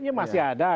iya masih ada